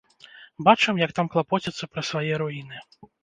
Бачым, як там клапоцяцца пра свае руіны.